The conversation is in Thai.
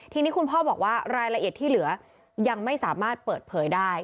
ทีนี้คุณพ่อบอกว่ารายละเอียดที่เหลือยังไม่สามารถเปิดเผยได้